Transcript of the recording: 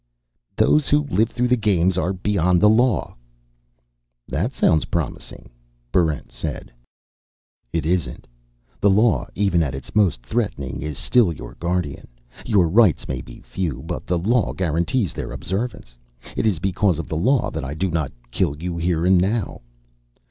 "Those who live through the Games are beyond the law." "That sounds promising," Barrent said. "It isn't. The law, even at its most threatening, is still your guardian. Your rights may be few, but the law guarantees their observance. It is because of the law that I do not kill you here and now."